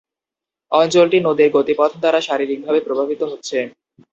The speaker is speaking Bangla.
অঞ্চলটি নদীর গতিপথ দ্বারা শারীরিকভাবে প্রভাবিত হয়েছে।